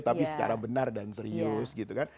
tapi secara benar dan serius gitu kan